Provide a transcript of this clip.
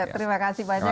terima kasih banyak